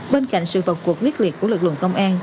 bên cạnh sự vật cuộc quyết liệt của lực lượng công an